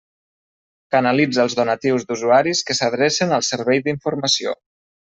Canalitza els donatius d'usuaris que s'adrecen al servei d'informació.